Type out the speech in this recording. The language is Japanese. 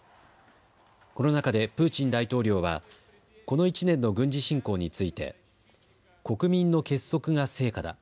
この中でプーチン大統領はこの１年の軍事侵攻について国民の結束が成果だ。